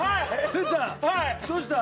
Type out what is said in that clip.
哲ちゃんどうした？